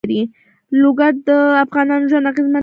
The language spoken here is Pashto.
لوگر د افغانانو ژوند اغېزمن کوي.